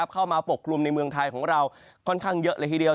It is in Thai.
ปกกลุ่มในเมืองไทยของเราค่อนข้างเยอะเลยทีเดียว